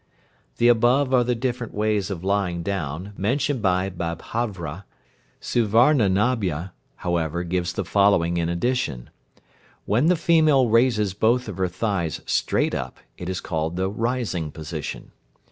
The above are the different ways of lying down, mentioned by Babhravya; Suvarnanabha, however, gives the following in addition. When the female raises both of her thighs straight up, it is called the "rising position."